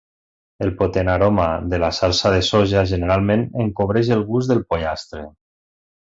El potent aroma de la salsa de soja generalment encobreix el gust del pollastre.